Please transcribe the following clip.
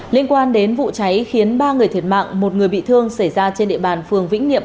liên quan đến vụ cháy khiến ba người thiệt mạng một người bị thương xảy ra trên địa bàn phường vĩnh niệm